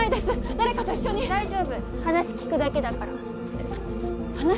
誰かと一緒に大丈夫話聞くだけだから話？